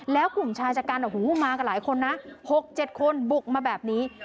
แล้วกลุ่มชายชะกันมากับหลายคนนะ๖๗คนบุกมาแบบนี้